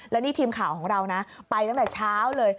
แล้วนี่ทีมข่าวของเรานะไปตั้งแต่เช้าเลย